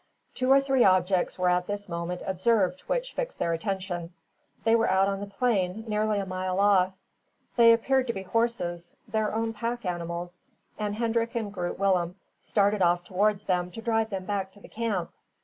Two or three objects were at this moment observed which fixed their attention. They were out on the plain, nearly a mile off. They appeared to be horses, their own pack animals, and Hendrik and Groot Willem started off towards them to drive them back to the camp.